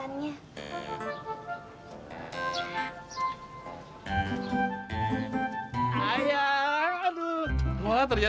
wah ternyata benar kamu pak darwin